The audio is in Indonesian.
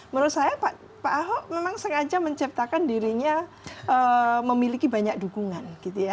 menurut saya pak ahok memang sengaja menciptakan dirinya memiliki banyak dukungan